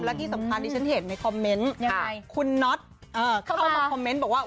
และที่สำคัญที่ฉันเห็นในคอมเมนต์ยังไงคุณน็อตเข้ามาคอมเมนต์บอกว่า